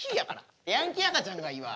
ヤンキー赤ちゃんがいいわ。